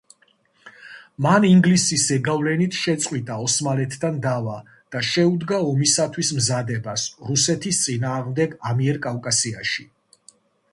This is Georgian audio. მან ინგლისის ზეგავლენით შეწყვიტა ოსმალეთთან დავა და შეუდგა ომისათვის მზადებას რუსეთის წინააღმდეგ ამიერკავკასიაში.